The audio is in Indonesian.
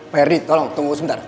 pak heri tolong tunggu sebentar